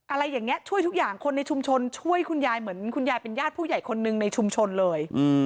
อะไรอย่างนี้ช่วยทุกอย่างคนในชุมชนช่วยคุณยายเหมือนคุณยายเป็นญาติผู้ใหญ่คนหนึ่งในชุมชนเลย